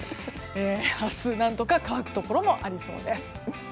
明日、何とか乾くところもありそうです。